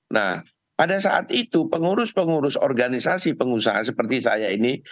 nah pada saat itu pengurus pengurus organisasi pengusaha seperti saya ini